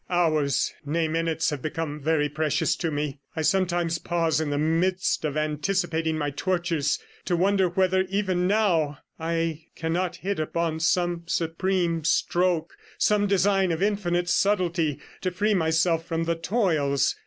Hours, nay minutes, have become very precious to me. I sometimes pause in the midst of anticipating my tortures, to wonder whether even now I cannot hit upon some supreme stroke, some design of infinite subtlety, to free myself from the toils.